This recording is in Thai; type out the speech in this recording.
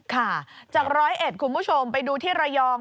ค่ะจากร้อยเอ็ดคุณผู้ชมไปดูที่ระยอง